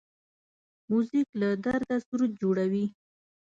موزیک له درده سرود جوړوي.